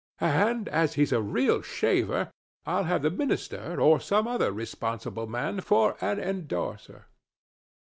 And, as he's a real shaver, I'll have the minister, or some other responsible man, for an endorser."